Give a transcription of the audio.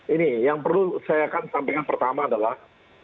ini yang perlu saya akan sampaikan pertama adalah